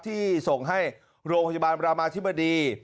ที่ส่งให้โรงพยาบาลรามาธิบดี